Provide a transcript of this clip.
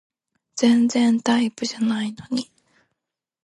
全然タイプじゃないのに